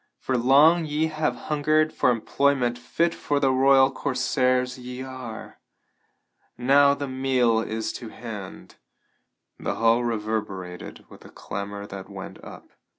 For long ye have hungered for employment fit for the royal corsairs ye are. Now the meal is to hand." The hall reverberated with the clamor that went up.